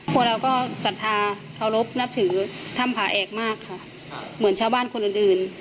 พวกเราก็ศรัทธาเคารพนับถือถ้ำผาแอกมากค่ะเหมือนชาวบ้านคนอื่นอื่น